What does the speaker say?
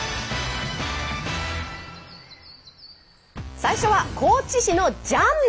最初は高知市のジャン麺！